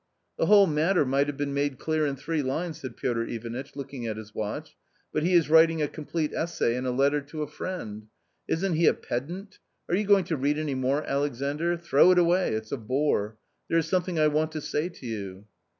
" The whole matter might have been made clear in three lines," said Piotr Ivanitch looking at his watch, " but he is writing a complete essay in a letter to a friend ! isn't he a pedant ? Are you going to read any more, Alexandr? throw it away ; it's a bore. There is something I want to say to you."